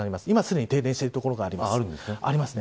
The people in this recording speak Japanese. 今すでに停電している所もあります。